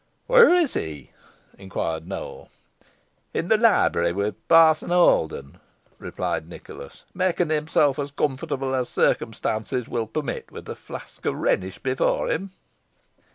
"Where is he?" inquired Nowell. "In the library with Parson Holden," replied Nicholas; "making himself as comfortable as circumstances will permit, with a flask of Rhenish before him."